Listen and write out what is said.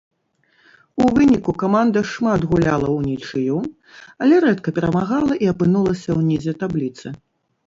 У выніку каманда шмат гуляла ўнічыю, але рэдка перамагала і апынулася ўнізе табліцы.